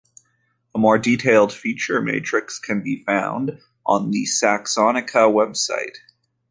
A more detailed feature matrix can be found on the Saxonica web site.